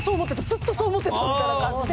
ずっとそう思ってた！」みたいな感じで。